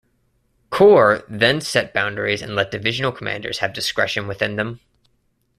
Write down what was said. Corps then set boundaries and let divisional commanders have discretion within them.